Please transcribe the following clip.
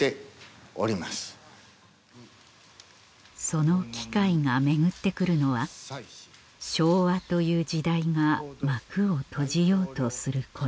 その機会が巡って来るのは昭和という時代が幕を閉じようとする頃